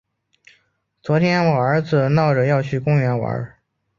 昨天我儿子闹着要去公园玩。